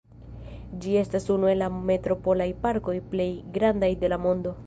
Ĝi estas unu el la metropolaj parkoj plej grandaj de la mondo.